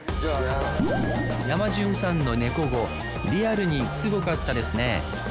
ヤマジュンさんの猫語リアルにすごかったですね